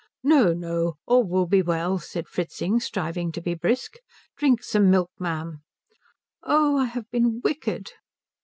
"No, no all will be well," said Fritzing, striving to be brisk. "Drink some milk, ma'am." "Oh, I have been wicked."